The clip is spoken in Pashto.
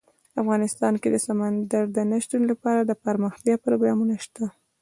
افغانستان کې د سمندر نه شتون لپاره دپرمختیا پروګرامونه شته.